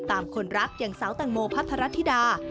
ตามคนรักอย่างสาวตังโมพัทรรัฐธิดา